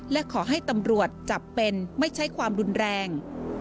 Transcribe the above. และขอให้ตำรวจจับเป็นไม่ใช้ความรุนแรง